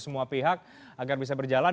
semua pihak agar bisa berjalan